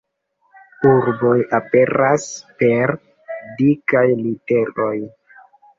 Urboj aperas per dikaj literoj.